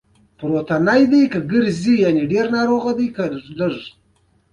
ایا زه باید د زړه بطرۍ ولګوم؟